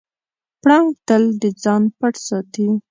پړانګ تل د ځان پټ ساتي.